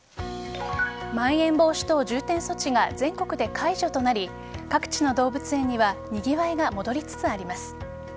まん延防止等重点措置が全国で解除となり各地の動物園にはにぎわいが戻りつつあります。